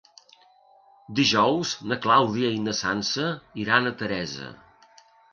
Dijous na Clàudia i na Sança iran a Teresa.